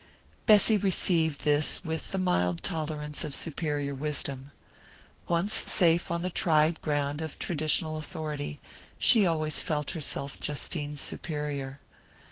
Bessy received this with the mild tolerance of superior wisdom. Once safe on the tried ground of traditional authority, she always felt herself Justine's superior.